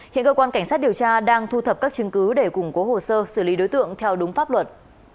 hiện cơ quan cảnh sát điều tra đang thu thập các chứng cứ để củng cố hồ sơ xử lý đối tượng theo đúng pháp luật